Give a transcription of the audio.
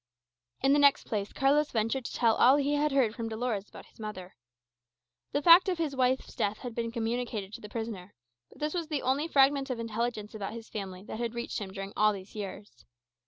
In the next place, Carlos ventured to tell all he had heard from Dolores about his mother. The fact of his wife's death had been communicated to the prisoner; but this was the only fragment of intelligence about his family that had reached him during all these years.